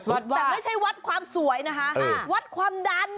วัดแต่ไม่ใช่วัดความสวยนะคะวัดความดัน